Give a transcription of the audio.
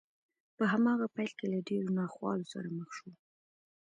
په هماغه پيل کې له ډېرو ناخوالو سره مخ شو.